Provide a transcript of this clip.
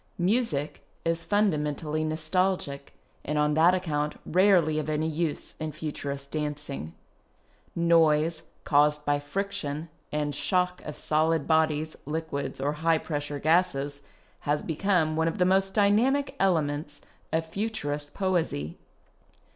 Music is fundamentally nostalgic, and on that account rarely of any use in Futurist dancing. Noise, caused by friction and shock of solid bodies, liquids, or high pressure gases, has become one of the most dynamic elements of Futurist poesy.